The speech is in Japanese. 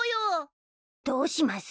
どうします？